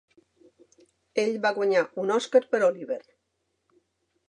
Ell va guanyar un oscar per Oliver!